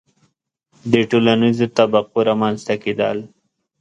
• د ټولنیزو طبقو رامنځته کېدل.